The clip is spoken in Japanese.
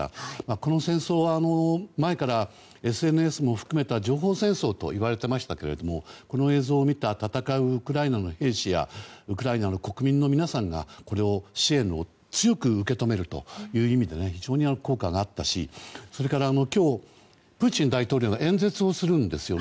この戦争は、前からＳＮＳも含めた情報戦争といわれてましたけれどもこの映像を見た戦うウクライナの兵士やウクライナの国民の皆さんがこれを、支援だと強く受け止めるという意味でも非常に効果があったしそれから今日、プーチン大統領が演説をするんですよね。